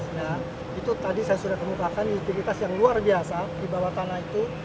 nah itu tadi saya sudah kemukakan utilitas yang luar biasa di bawah tanah itu